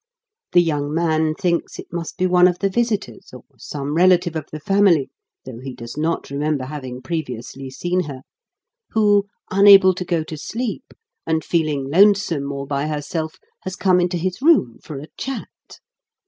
The young man thinks it must be one of the visitors, or some relative of the family, though he does not remember having previously seen her, who, unable to go to sleep, and feeling lonesome, all by herself, has come into his room for a chat.